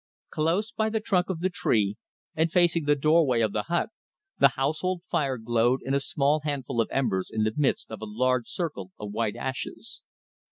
Close by the trunk of the tree, and facing the doorway of the hut, the household fire glowed in a small handful of embers in the midst of a large circle of white ashes.